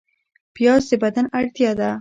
پیاز د بدن اړتیا ده